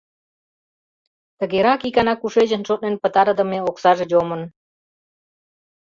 Тыгерак икана кушечын шотлен пытарыдыме оксаже йомын.